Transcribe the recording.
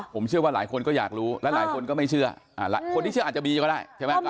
ผมเชื่อว่าหลายคนก็อยากรู้และหลายคนก็ไม่เชื่อคนที่เชื่ออาจจะบีก็ได้ใช่ไหม